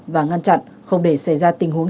và ngăn chặn không để xảy ra tình huống